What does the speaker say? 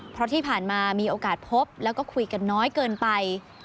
เพราะที่ผ่านมามีโอกาสพบแล้วก็คุยกันน้อยเกินไป